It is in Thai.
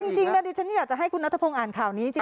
จริงนะดิฉันอยากจะให้คุณนัทพงศ์อ่านข่าวนี้จริง